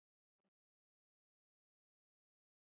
Kusoma kuna fanya mutu ku yuwa